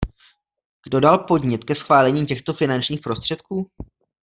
Kdo dal podnět ke schválení těchto finančních prostředků?